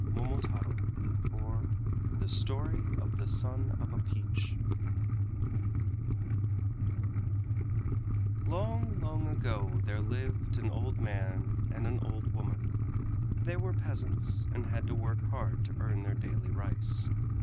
MOMOTARO, OR THE STORY OF THE SON OF A PEACH Long, long ago there lived, an old man and an old woman; they were peasants, and had to work hard to earn their daily rice.